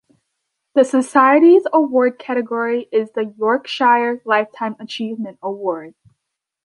The Society's award category is the Yorkshire Lifetime Achievement Award.